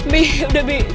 bi udah bi